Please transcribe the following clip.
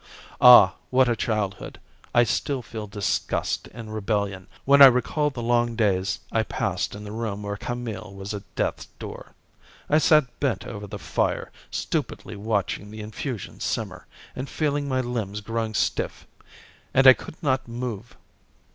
"Ah! what a childhood! I still feel disgust and rebellion, when I recall the long days I passed in the room where Camille was at death's door. I sat bent over the fire, stupidly watching the infusions simmer, and feeling my limbs growing stiff. And I could not move.